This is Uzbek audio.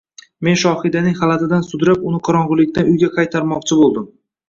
Men Shohidaning xalatidan sudrab uni qorong‘ilikdan uyga qaytarmoqchi bo‘ldim